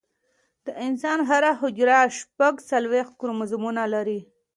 د انسان هره حجره شپږ څلوېښت کروموزومونه لري